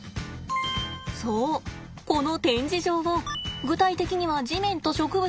そうこの展示場を具体的には地面と植物を変えたんです。